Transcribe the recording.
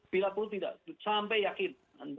bila pun tidak sampai yakin